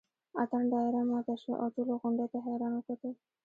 اتڼ دایره ماته شوه او ټولو غونډۍ ته حیران وکتل.